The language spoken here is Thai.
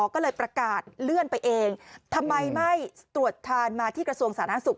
ก็เลยประกาศเลื่อนไปเองทำไมไม่ตรวจทานมาที่กระทรวงสาธารณสุข